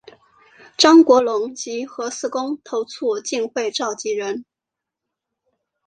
张国龙及核四公投促进会召集人。